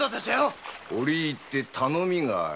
折り入って頼みがある。